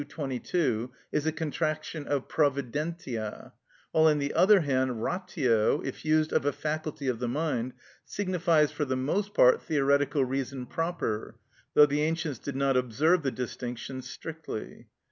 22), is a contraction of providentia; while, on the other hand, ratio, if used of a faculty of the mind, signifies for the most part theoretical reason proper, though the ancients did not observe the distinction strictly.